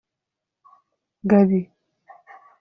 Gabi